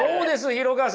廣川さん。